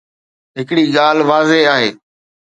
هڪڙي ڳالهه واضح آهي.